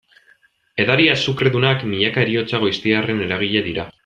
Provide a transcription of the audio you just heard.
Edari azukredunak, milaka heriotza goiztiarren eragile dira.